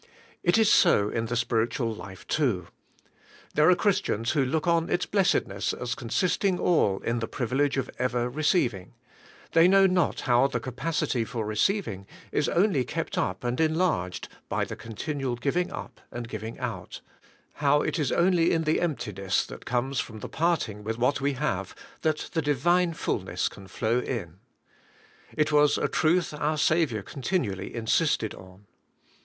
It is so in the spiritual life too. There are Chris tians who look on its blessedness as consisting all in the privilege of ever receiving; they know not how the capacity for receiving is only kept up and enlarged by continual giving up and giving out,— how it is only in the emptiness that comes from the parting with what we have, that the Divine fulness can flow in. It was a truth our Saviour continually insisted on.